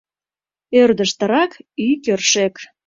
Ӧрдыжтырак — ӱй кӧршӧк.